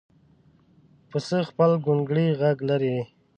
پسه خپل ګونګړی غږ لري.